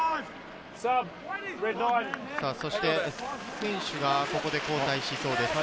選手がここで交代しそうです。